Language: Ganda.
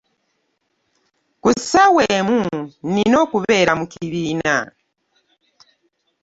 Ku ssawa emu nina okubeera mu kubiina .